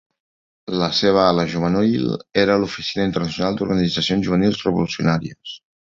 La seva ala juvenil era l'Oficina Internacional d'Organitzacions Juvenils Revolucionàries.